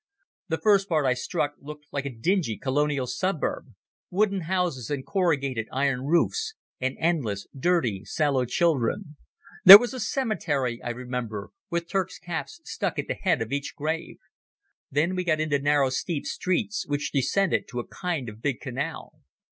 The first part I struck looked like a dingy colonial suburb—wooden houses and corrugated iron roofs, and endless dirty, sallow children. There was a cemetery, I remember, with Turks' caps stuck at the head of each grave. Then we got into narrow steep streets which descended to a kind of big canal.